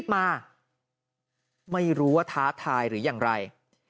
มาไม่รู้ว่าท้าทายหรืออย่างไร